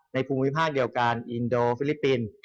ภูมิภาคเดียวกันอินโดฟิลิปปินส์